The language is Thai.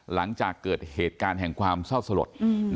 หลังจากเกิดเหตุการณ์แห่งความเศร้าสลด